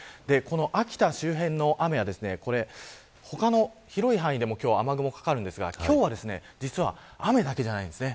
秋田周辺の雨は他の広い範囲でも雨雲がかかるんですが、今日は実は雨だけではありません。